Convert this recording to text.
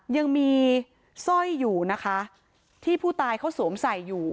ยังมีสร้อยอยู่นะคะที่ผู้ตายเขาสวมใส่อยู่